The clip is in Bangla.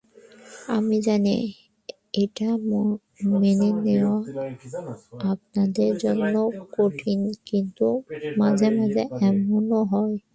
আমি জানি এটা মেনে নেওয়া আপনাদের জন্য কঠিন, কিন্তু মাঝেমাঝে এমন হয়।